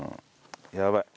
やばい。